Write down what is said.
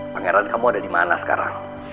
pangeran kamu ada dimana sekarang